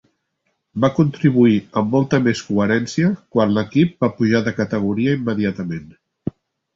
Va contribuir amb molta més coherència quan l'equip va pujar de categoria immediatament.